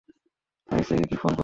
তোমার স্ত্রীকে কি ফোন করবো?